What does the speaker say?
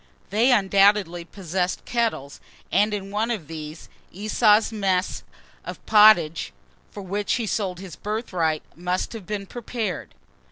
They undoubtedly possessed kettles; and in one of these, Esau's mess of pottage, for which he sold his birthright, must have been prepared.